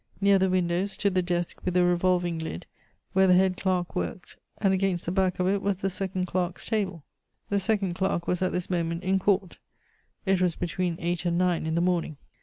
Near the window stood the desk with a revolving lid, where the head clerk worked, and against the back of it was the second clerk's table. The second clerk was at this moment in Court. It was between eight and nine in the morning.